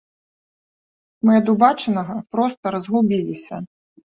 Мы ад убачанага проста разгубіліся.